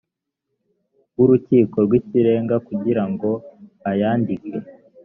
w urukiko rw ikirenga kugira ngo ayandike